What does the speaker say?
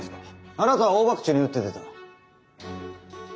あなたは大ばくちに打って出た。